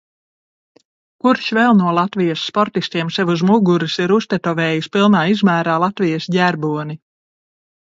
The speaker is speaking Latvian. Kurš vēl no Latvijas sportistiem sev uz muguras ir uztetovējis pilnā izmērā Latvijas ģerboni?